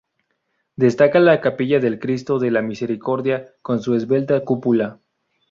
Destaca la capilla del Cristo de la Misericordia con su esbelta cúpula.